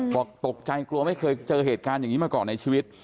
บอกตกใจกลัวไม่เคยเจอเหตุการณ์อย่างนี้มาก่อนในชีวิต